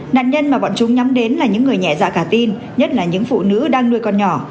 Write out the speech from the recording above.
nạn nhân mà bọn chúng nhắm đến là những người nhẹ dạ cả tin nhất là những phụ nữ đang nuôi con nhỏ